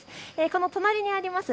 この隣にあります